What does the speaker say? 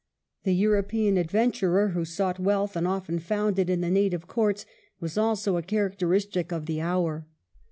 The European adventurer, who sought wealth and often found it in the native courts, was also a characteristic of the hour.